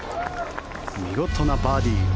見事なバーディー。